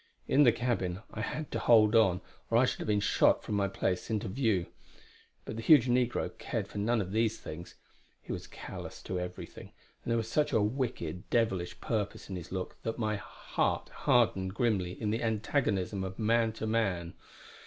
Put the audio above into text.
In the cabin I had to hold on, or I should have been shot from my place into view. But the huge negro cared for none of these things. He was callous to everything, and there was such a wicked, devilish purpose in his look that my heart hardened grimly in the antagonism of man to man.